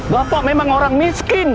bapak memang orang miskin